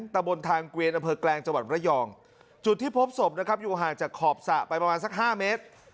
ตะบนทางเกวียนอำเภอแกลงจังหวัดระยองจุดที่พบศพนะครับอยู่ห่างจากขอบสระไปประมาณสัก๕เมตร